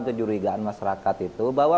kejurigaan masyarakat itu bahwa